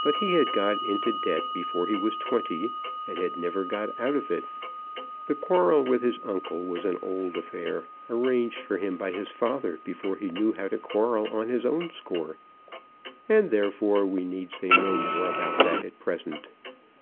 But he had got into debt before he was twenty, and had never got out of it. The quarrel with his uncle was an old affair, arranged for him by his father before he knew how to quarrel on his own score, and therefore we need say no more about that at present.